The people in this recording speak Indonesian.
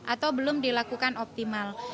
atau belum dilakukan optimal